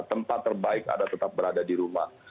tempat terbaik ada tetap berada di rumah